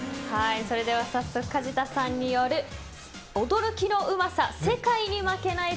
それでは早速、梶田さんによる驚きのうまさ世界に負けない！